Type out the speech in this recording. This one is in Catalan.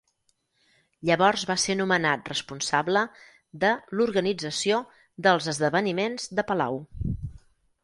Llavors va ser nomenat responsable de l'organització dels esdeveniments de palau.